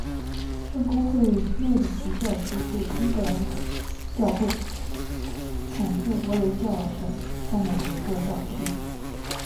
圣公会诺里奇教区是英格兰教会坎特伯雷教省下面的一个教区。